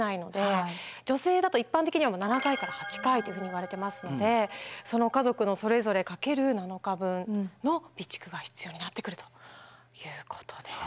女性だと一般的には７回から８回というふうにいわれていますのでその家族のそれぞれかける７日分の備蓄が必要になってくるということです。